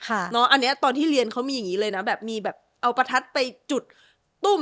อันนี้ตอนที่เรียนเขามีอย่างนี้เลยนะแบบมีแบบเอาประทัดไปจุดตุ้ม